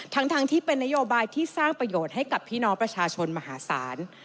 ทั้งที่เป็นนโยบายที่สร้างประโยชน์ให้กับพี่น้องประชาชนมหาศาล